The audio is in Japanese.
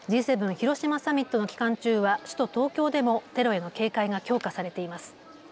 広島サミットの期間中は首都東京でもテロへの警戒が強化されています。